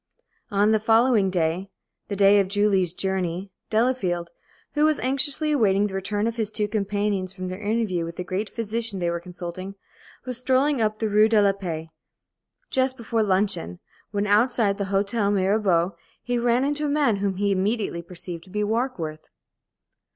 On the following day the day of Julie's journey Delafield, who was anxiously awaiting the return of his two companions from their interview with the great physician they were consulting, was strolling up the Rue de la Paix, just before luncheon, when, outside the Hôtel Mirabeau, he ran into a man whom he immediately perceived to be Warkworth.